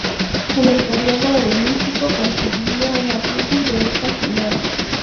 En el período helenístico constituía una tribu de esta ciudad.